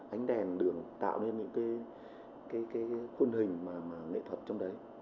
ánh đèn đường tạo nên những cái khuôn hình mà nghệ thuật trong đấy